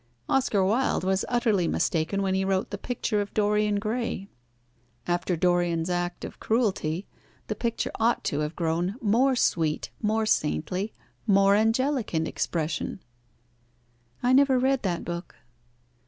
Oscar Wilde was utterly mistaken when he wrote the 'Picture of Dorian Gray.' After Dorian's act of cruelty, the picture ought to have grown more sweet, more saintly, more angelic in expression." "I never read that book."